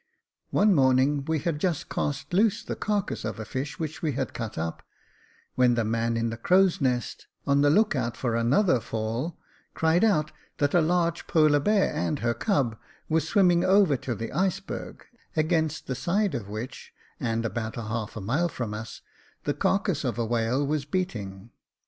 One morning we had just cast loose the carcase of a fish which we had cut up, when the man in the crow's nest, on the look out for another * fall,' cried out that a large polar bear and her cub were swimming over to the iceberg, against the side of which, and about half a mile from us, the carcase of a whale was beating.